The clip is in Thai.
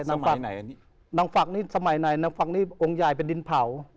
นางฝักไหนอันนี้นางฝักนี่สมัยไหนนางฝักนี่องค์ใหญ่เป็นดินเผา